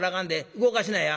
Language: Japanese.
動かしなや。